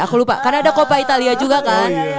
aku lupa karena ada kopa italia juga kan